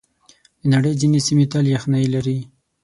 د نړۍ ځینې سیمې تل یخنۍ لري.